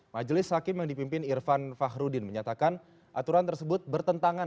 majelis hakim yang dipimpin irfan fahrudin menyatakan aturan tersebut bertentangan